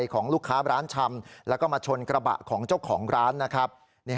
ของลูกค้าร้านชำแล้วก็มาชนกระบะของเจ้าของร้านนะครับ